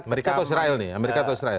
amerika atau israel nih amerika atau israel